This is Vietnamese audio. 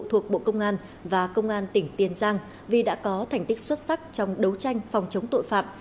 thuộc bộ công an và công an tỉnh tiền giang vì đã có thành tích xuất sắc trong đấu tranh phòng chống tội phạm